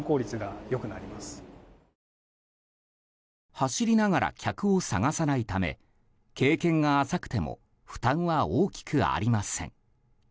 走りながら客を探さないため経験が浅くても負担は大きくありません。